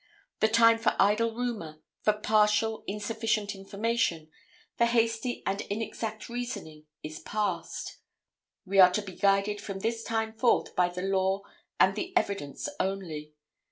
The time for idle rumor, for partial, insufficient information, for hasty and inexact reasoning, is past. We are to be guided from this time forth by the law and the evidence only.